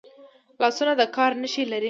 لاسونه د کار نښې لري